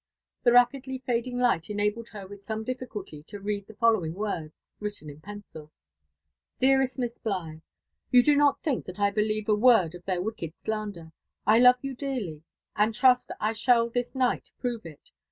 The rapidly fading light enabled her with some difficulty to read the following words, written in pencil :Dearest Miss Bligh, —;'' You do not tbink that I believe a vord of tbeir wicked slander. I love you dearly, and trust I shall this night prove it.